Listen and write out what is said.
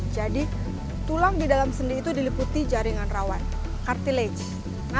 jadi tulang di dalam sendi itu diliputi jaringan rawan cartilage